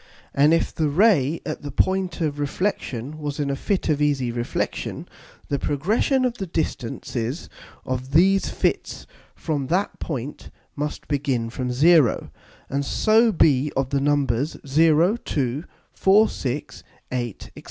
And if the Ray at the point of Reflexion was in a Fit of easy Reflexion, the progression of the distances of these Fits from that point must begin from 0, and so be of the Numbers 0, 2, 4, 6, 8, &c.